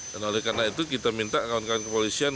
dan oleh karena itu kita minta kawan kawan kepolisian